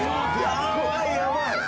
・ヤバいヤバい！